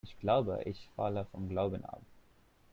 Ich glaube, ich falle vom Glauben ab.